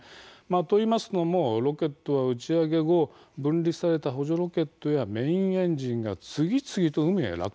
といいますのもロケットは打ち上げ後、分離された補助ロケットやメインエンジンが次々と海へ落下していくんですね。